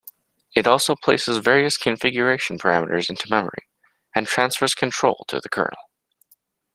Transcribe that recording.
It also places various configuration parameters into memory, and transfers control to the kernel.